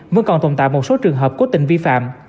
vẫn còn tồn tại một số trường hợp cố tình vi phạm